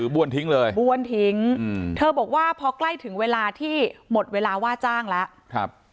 วนทิ้งเลยบ้วนทิ้งเธอบอกว่าพอใกล้ถึงเวลาที่หมดเวลาว่าจ้างแล้ว